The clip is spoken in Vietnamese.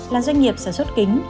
là doanh nghiệp sản xuất kính